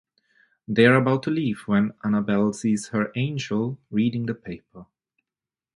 They are about to leave when Annabelle sees her angel reading the paper.